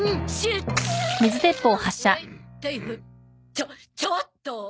ちょちょっと！